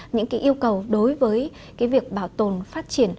những cái yêu cầu đối với cái việc bảo tồn phát triển